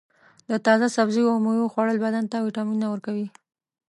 د تازه سبزیو او میوو خوړل بدن ته وټامینونه ورکوي.